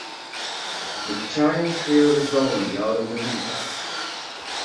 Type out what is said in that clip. The child threw the dolly out of the window.